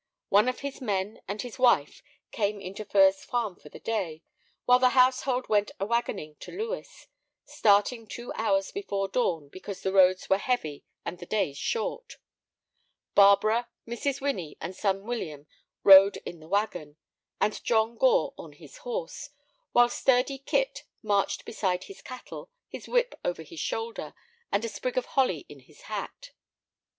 One of his men and his wife came into Furze Farm for the day, while the household went a wagoning to Lewes, starting two hours before dawn because the roads were heavy and the days short. Barbara, Mrs. Winnie, and son William rode in the wagon, and John Gore on his horse, while sturdy Kit marched beside his cattle, his whip over his shoulder, and a sprig of holly in his hat.